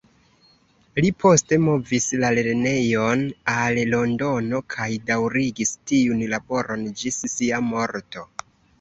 Li poste movis la lernejon al Londono kaj daŭrigis tiun laboron ĝis sia morto.